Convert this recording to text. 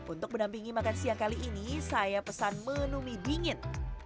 untuk menampingi makan siang kali ini saya pesan menu mie dingin